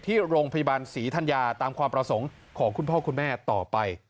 ที่โรงพยาบาลศรีธัญญาตามความประสงค์ของคุณพ่อคุณแม่ต่อไป